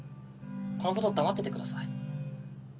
このこと黙っててください。